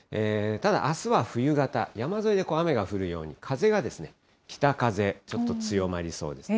ただ、あすは冬型、山沿いで雨が降るように、風が北風、ちょっと強まりそうですね。